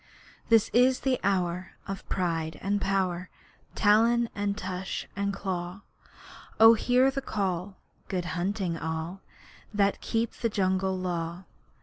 This is the hour of pride and power, Talon and tush and claw. Oh hear the call! Good hunting all That keep the Jungle Law!